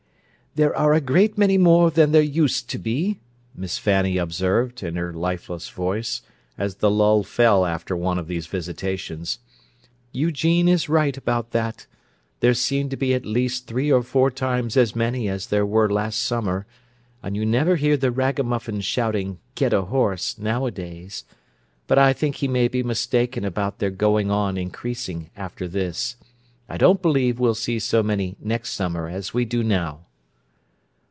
"There are a great many more than there used to be," Miss Fanny observed, in her lifeless voice, as the lull fell after one of these visitations. "Eugene is right about that; there seem to be at least three or four times as many as there were last summer, and you never hear the ragamuffins shouting 'Get a horse!' nowadays; but I think he may be mistaken about their going on increasing after this. I don't believe we'll see so many next summer as we do now."